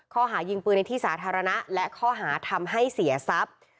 ข้อหายิงปืนในที่สาธารณะและข้อหาทำให้เสียทรัพย์